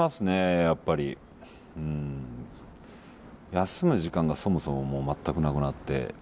休む時間がそもそももう全くなくなって。